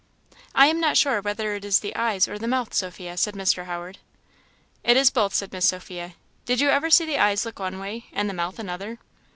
"I am not sure whether it is the eyes or the mouth, Sophia," said Mr. Howard. "It is both," said Miss Sophia. "Did you ever see the eyes look one way and the mouth another?"